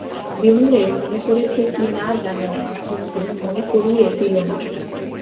বিমলের মনে পড়েছে কি না জানি নে, কিন্তু মনে করিয়ে দিল না।